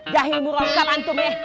jahil burokab antum ya